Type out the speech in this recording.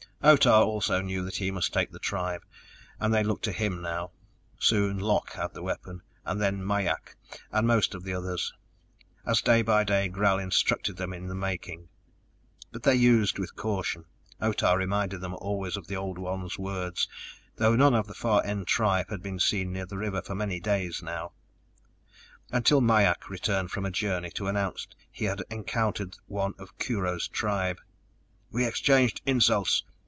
Otah also knew that he must take the tribe, and they looked to him now. Soon Lok had the weapon, then Mai ak and most of the others, as day by day Gral instructed them in the making. But they used with caution! Otah reminded them always of the Old One's words, though none of the Far End tribe had been seen near the river for many days now. Until Mai ak returned from a journey, to announce he had encountered one of Kurho's tribe. "We exchanged insults.